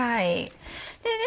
でね